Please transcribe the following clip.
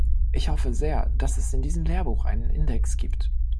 Ich hoffe sehr, dass es in diesem Lehrbuch einen Index gibt.